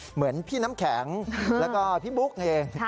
เหมือนพี่น้ำแข็งแล้วก็พี่บุ๊กเอง